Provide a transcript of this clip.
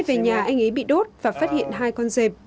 ở nhà anh ấy bị đốt và phát hiện hai con dẹp